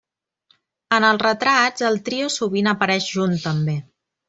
En els retrats, el trio sovint apareix junt també.